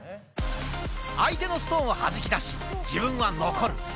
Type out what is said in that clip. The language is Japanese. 相手のストーンを弾き出し、自分は残る。